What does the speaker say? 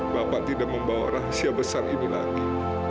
bapak tidak membawa rahasia besar ini lagi